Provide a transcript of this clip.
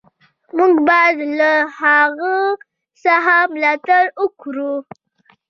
موږ باید له هغه څه ملاتړ وکړو.